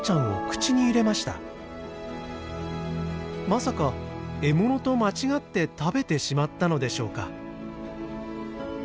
まさか獲物と間違って食べてしまったのでしょうか？